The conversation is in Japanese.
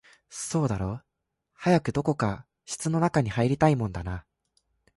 そうだろう、早くどこか室の中に入りたいもんだな